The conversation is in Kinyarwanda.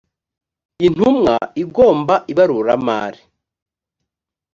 intumwa igomba ibaruramari